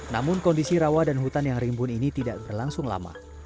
namun kondisi rawa dan hutan yang rimbun ini tidak berlangsung lama